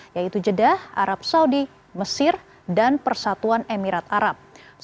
yaitu jeddah arab saudi mesir dan persatuan emirat arab